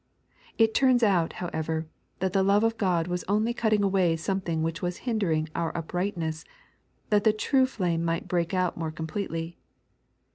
It turns out, however, that the love of God was only cutting away something which was hindering our upright ness, that the true flame might break out more completely.